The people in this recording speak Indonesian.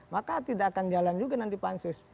maka tidak akan jalan juga nanti pansus